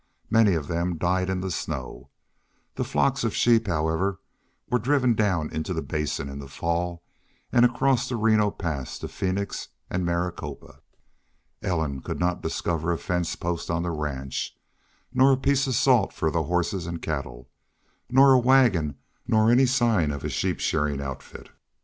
Many of them died in the snow. The flocks of sheep, however, were driven down into the Basin in the fall, and across the Reno Pass to Phoenix and Maricopa. Ellen could not discover a fence post on the ranch, nor a piece of salt for the horses and cattle, nor a wagon, nor any sign of a sheep shearing outfit.